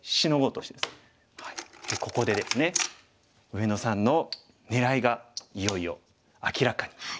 でここでですね上野さんの狙いがいよいよ明らかに。